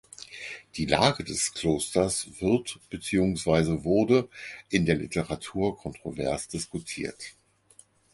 Die Lage des Klosters wird beziehungsweise wurde in der Literatur kontrovers diskutiert.